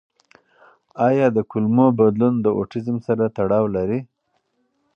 آیا د کولمو بدلون د اوټیزم سره تړاو لري؟